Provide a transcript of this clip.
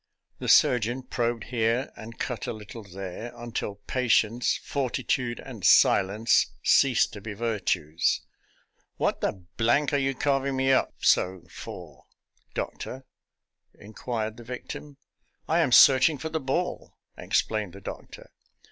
The surgeon probed here and cut a little there, until patience, fortitude, and silence ceased to be virtues. " What the are you carving me up so for, doctor? " inquired the victim. " I am searching for the ball," explained the doctor.